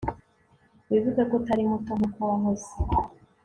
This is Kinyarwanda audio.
Wibuke ko utari muto nkuko wahoze